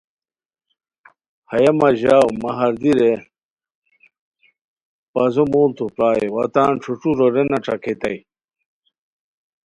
ہیہ مہ ژاؤ مہ ہردی رے پازو موڑتو پرائے وا تان ݯھوݯھو رورینہ ݯاکیتائے